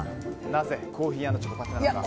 なぜコーヒー＆チョコパフェなのか。